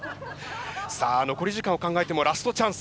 さあ残り時間を考えてもラストチャンス。